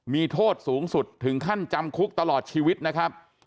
มีโทษสูงสุดถึงขั้นจำคุกตลอดชีวิตนะครับ